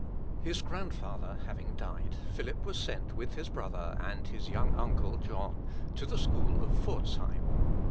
His grandfather having died, Philip was sent with his brother and his young uncle, John, to the school of Pforzheim.